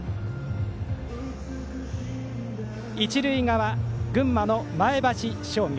一塁側、群馬の前橋商業。